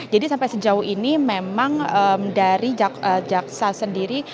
jadi sampai sejauh ini memang dari jaksa sendiri